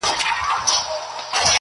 ورته ګوره چي عطا کوي سر خم کا,